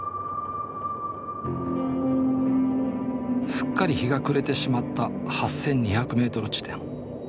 すっかり日が暮れてしまった８２００ｍ地点。